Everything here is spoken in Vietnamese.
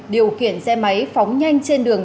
điều kiện xe máy phóng nhanh trên đường